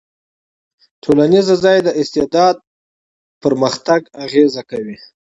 ټولنیز ځای د استعداد په پرمختګ اغېز کوي.